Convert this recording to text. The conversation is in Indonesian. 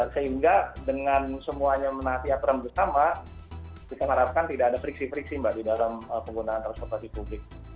sehingga dengan semuanya menaati aturan bersama kita harapkan tidak ada friksi friksi mbak di dalam penggunaan transportasi publik